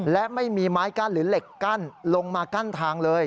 และไม่มีไม้กั้นหรือเหล็กกั้นลงมากั้นทางเลย